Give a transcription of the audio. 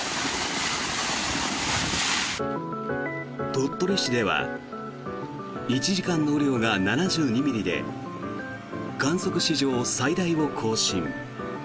鳥取市では１時間の雨量が７２ミリで観測史上最大を更新。